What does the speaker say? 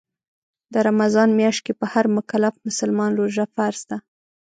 د رمضان میاشت کې په هر مکلف مسلمان روژه فرض ده